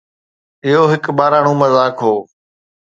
اهو هڪ ٻاراڻو مذاق هو